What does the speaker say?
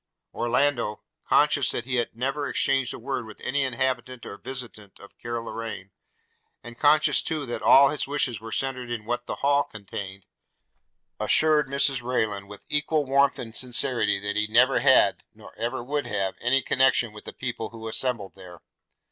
Orlando, conscious that he had never exchanged a word with any inhabitant or visitant of Carloraine, and conscious too that all his wishes were centred in what the Hall contained, assured Mrs Rayland with equal warmth and sincerity that he never had, nor ever would have, any connexion with the people who assembled there.